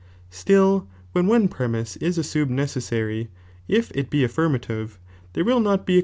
Still when one premise is as ■nrned ncceaaary, if it be affirmative, there will not be b.